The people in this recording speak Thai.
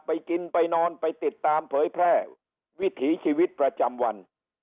ไปกินไปนอนไปติดตามเผยแพร่วิถีชีวิตประจำวัน